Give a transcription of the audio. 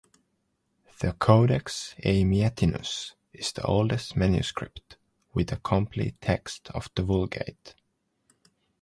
The Codex Amiatinus is the oldest manuscript with a complete text of the Vulgate.